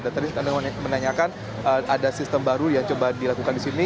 dan tadi saya menanyakan ada sistem baru yang coba dilakukan di sini